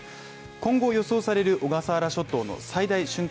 今後予想される小笠原諸島の最大瞬間